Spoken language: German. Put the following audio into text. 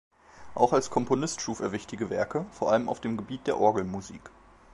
Auch als Komponist schuf er wichtige Werke, vor allem auf dem Gebiet der Orgelmusik.